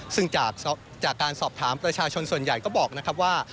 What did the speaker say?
ซึ่งจากการสอบถามประชาชนส่วนใหญ่ก็บอกนะครับว่า